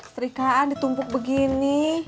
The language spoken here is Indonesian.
terikaan ditumpuk begini